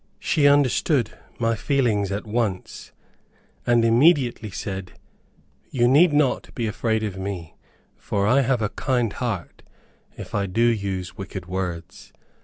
She understood my feelings at once, and immediately said, "You need not be afraid of me, for I have a kind heart, if I do use wicked words.